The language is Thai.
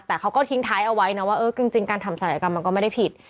แต่เขาก็ทิ้งท้ายเอาไว้นะว่าเออจริงการทำศัลยกรรมมันก็ไม่ได้ผิด